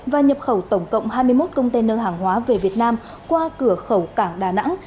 và nhập khẩu tổng cộng hai mươi một container hàng hóa về việt nam qua cửa khẩu cảng đà nẵng